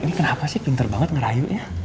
ini kenapa sih pinter banget ngerayunya